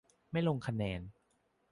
ไม่ลงคะแนน